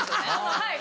はい。